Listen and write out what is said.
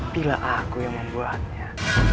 bila aku yang membuatnya